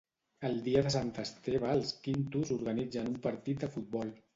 El dia de Sant Esteve els quintos organitzen un partit de futbol.